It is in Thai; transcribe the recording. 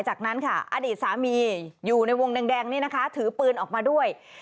จากนั้นค่ะอดีตสามีอยู่ในวงแดงนี่นะคะถือปืนออกมาด้วย